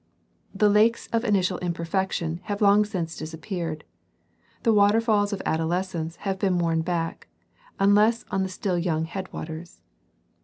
The lakes of initial imperfection have long since disappeared ; the waterfalls of adolescence have been worn back, unless on the still young headwaters.